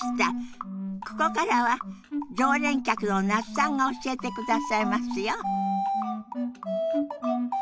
ここからは常連客の那須さんが教えてくださいますよ。